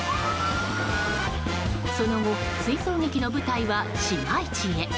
その後追走劇の舞台は市街地へ。